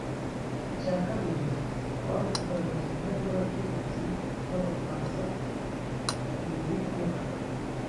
Icya kabiri kwari ukugaragaza uruhare rw’abategetsi b’abafaransa mu biri kuba